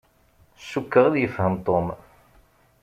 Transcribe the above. Cukkeɣ ad yefhem Tom.